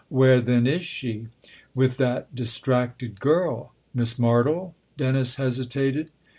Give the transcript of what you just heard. "Where then is she ?"" With that distracted girl." " Miss Martle ?" Dennis hesitated.